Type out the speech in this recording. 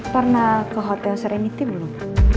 pernah ke hotel seremite belum